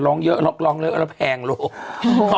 ล้องเยอะอ่ะล้องอยู่แล้วจัดเพลงรู้หัว